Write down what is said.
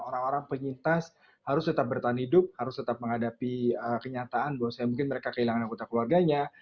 orang orang penyintas harus tetap bertahan hidup harus tetap menghadapi kenyataan bahwasanya mungkin mereka kehilangan anggota keluarganya